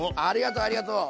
ありがとう！